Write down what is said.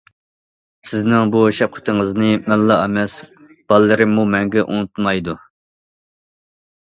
سىزنىڭ بۇ شەپقىتىڭىزنى مەنلا ئەمەس، بالىلىرىممۇ مەڭگۈ ئۇنتۇمايدۇ.